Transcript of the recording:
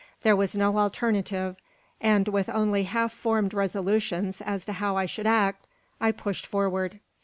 There was no alternative; and with only half formed resolutions as to how I should act, I pushed forward.